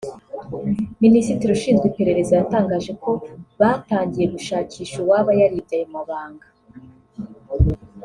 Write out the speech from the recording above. Minisitiri ushinzwe iperereza yatangaje ko batangiye gushakisha uwaba yaribye ayo mabanga